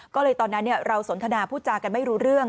ก็เลยตอนนั้นเราสนทนาพูดจากันไม่รู้เรื่อง